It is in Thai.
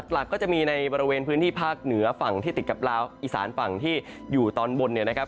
หลักก็จะมีในบริเวณพื้นที่ภาคเหนือฝั่งที่ติดกับลาวอีสานฝั่งที่อยู่ตอนบนเนี่ยนะครับ